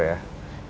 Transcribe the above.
instagram pun masih